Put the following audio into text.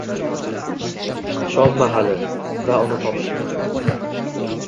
— shom mahali — va uni topishdi.